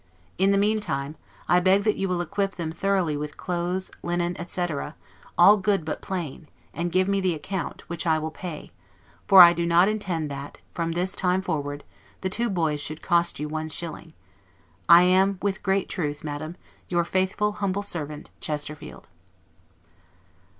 In the meantime, I beg that you will equip them thoroughly with clothes, linen, etc., all good, but plain; and give me the account, which I will pay; for I do not intend that, from, this time forward the two boys should cost you one shilling. I am, with great truth, Madam, your faithful, humble servant, CHESTERFIELD.